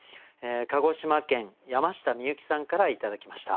鹿児島県山下みゆきさんから頂きました。